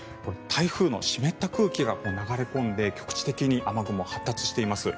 台風の湿った空気が流れ込んで局地的に雨雲、発達しています。